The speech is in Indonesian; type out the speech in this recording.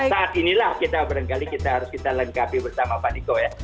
saat inilah kita barangkali kita harus kita lengkapi bersama pak niko ya